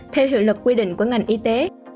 theo hiệu lực quy định của ngành y tế